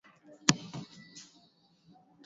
Hujawahi kuridhika na chochote unachopewa